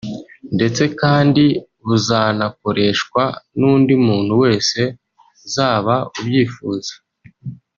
ndetse kandi buzanakoreshwa n’undi muntu wese zaba ubyifuza”